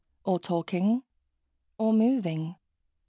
Or talking. Or moving.